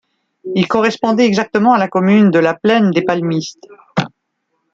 Il correspondait exactement à la commune de La Plaine-des-Palmistes.